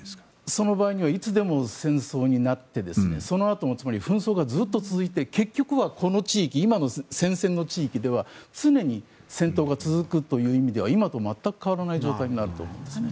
その場合はいつでも戦争になってそのあとも、つまり紛争がずっと続いて結局はこの地域今の戦線の地域では常に戦闘が続くという意味では今と全く変わらない状態になると思うんですね。